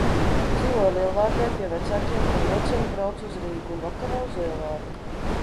Dzīvoju Lielvārdē pie vecākiem un ar vilcienu braucu uz Rīgu un vakarā uz Lielvārdi.